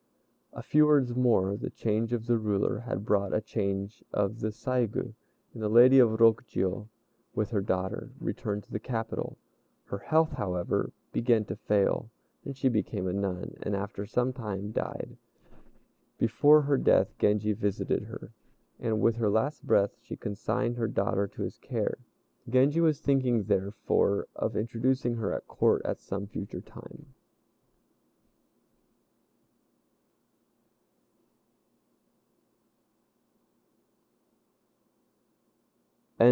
A few words more. The change of the ruler had brought a change of the Saigû; and the Lady of Rokjiô, with her daughter, returned to the capital. Her health, however, began to fail, and she became a nun, and after some time died. Before her death Genji visited her, and with her last breath she consigned her daughter to his care. Genji was thinking, therefore, of introducing her at Court at some future time.